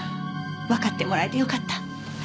わかってもらえてよかった。